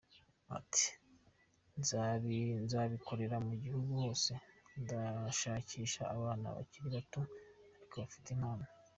Ati “Nzabikorera mu gihugu hose, ndashakisha abana bakiri bato ariko bafite impano.